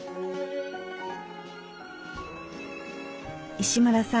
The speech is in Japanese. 石村さん